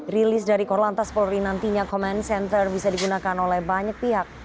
rilis dari korlantas polri nantinya command center bisa digunakan oleh banyak pihak